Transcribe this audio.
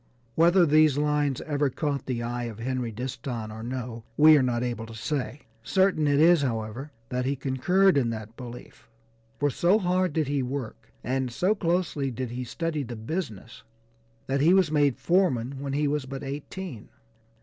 Whether these lines ever caught the eye of Henry Disston or no, we are not able to say; certain it is, however, that he concurred in that belief, for so hard did he work, and so closely did he study the business, that he was made foreman when he was but eighteen.